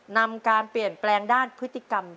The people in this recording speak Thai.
นำการเปลี่ยนแปลงด้านพฤติกรรม